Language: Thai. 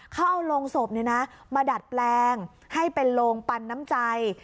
เขาเอาโรงศพมาดัดแปลงให้เป็นโรงปันน้ำใจ